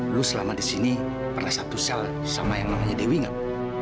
lu selama di sini pernah satu cel sama yang namanya dewi gak